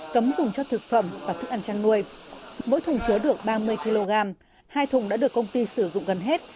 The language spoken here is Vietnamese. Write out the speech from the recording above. cấm dùng cho thực phẩm và thức ăn chăn nuôi mỗi thùng chứa được ba mươi kg hai thùng đã được công ty sử dụng gần hết